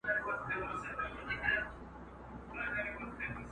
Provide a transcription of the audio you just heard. د دربار له دروېشانو سره څه دي؟،